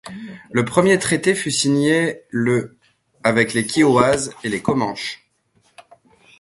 Le premier traité fut signé le avec les Kiowas et les Comanches.